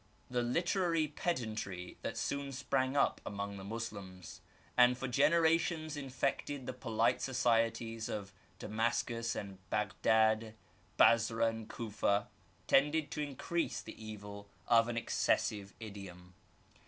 The literary pedantry that soon sprang up among the Moslems, and for generations infected the polite societies of Damascus and Bagdad, Basra and Cufa, tended to increase tiie evil of an excessive idiom.